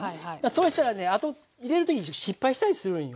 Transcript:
そうしたらねあと入れる時失敗したりするんよ。